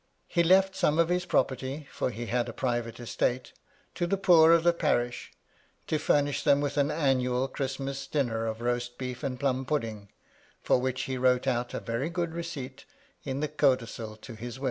He left some of his property (for he had a private estate) to the poor of the parish, to furnish them with an annual Christmas dinner of roast beef and plum pudding, for which he wrote out a very good receipt in the codicil to his wiU.